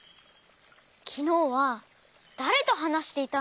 きのうはだれとはなしていたんですか？